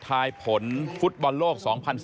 ทายผลฟุตบอลโลก๒๐๑๘